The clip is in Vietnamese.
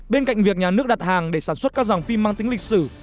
bên cạnh việc nhà nước đặt hàng để sản xuất các dòng phim mang tính lịch sử